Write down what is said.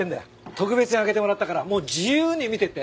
特別に開けてもらったからもう自由に見ていって。